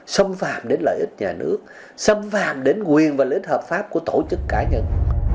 xâm phạm đến lợi ích nhà nước xâm phạm đến quyền và lợi ích hợp pháp của tổ chức cá nhân